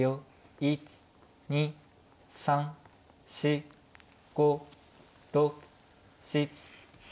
１２３４５６７８９。